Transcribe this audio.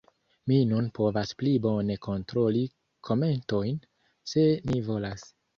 Ni nun povos pli bone kontroli komentojn, se ni volas.